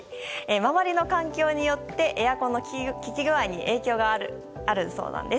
周りの環境によってエアコンの効き具合に影響があるそうなんです。